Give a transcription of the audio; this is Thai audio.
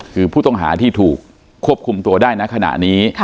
คือผู้ต้องหาที่ถูกควบคุมตัวได้นะขณะนี้